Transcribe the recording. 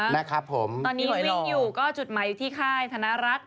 ตอนนี้วิ่งอยู่ก็จุดใหม่ที่ค่ายธนารักษ์